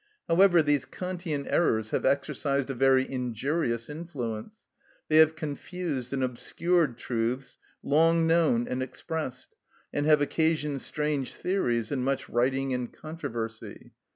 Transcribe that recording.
However, these Kantian errors have exercised a very injurious influence. They have confused and obscured truths long known and expressed, and have occasioned strange theories and much writing and controversy.